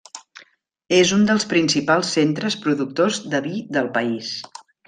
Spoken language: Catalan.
És un dels principals centres productors de vi del país.